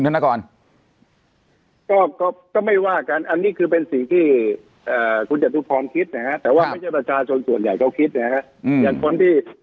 อันนี้คือเป็นสิ่งที่คุณธนกรพร้อมคิดแต่ว่าไม่ใช่ประชาชนส่วนใหญ่ก็ทรงคลิก